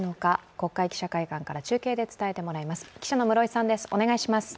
国会記者会館から中継で伝えてもらいます。